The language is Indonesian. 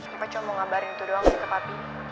reva cuma mau ngabarin itu doang gitu ke papi